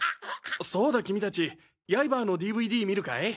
そうだ君たちヤイバーのＤＶＤ観るかい？